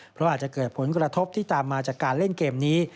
เพราะอาจจะเกิดผลกระทบที่ตามมาจากการเล่นเกมนี้